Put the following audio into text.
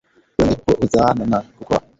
wengi huzaana na kukua